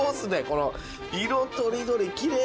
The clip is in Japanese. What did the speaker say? この色とりどり奇麗。